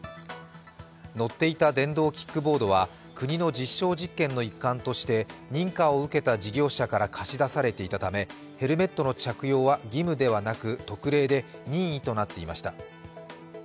乗っていた電動キックボードは国の実証実験の一環として認可を受けた事業者から貸し出されていたため、ヘルメットの着用は義務ではなく特例で任意となっていました。